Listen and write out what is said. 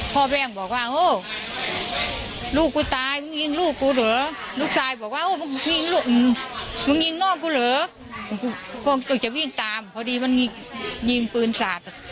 พอดีมันยิงปืนศาสตร์